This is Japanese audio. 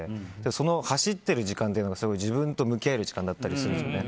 その走っている時間というのはすごい自分と向き合える時間だったりするんですよね。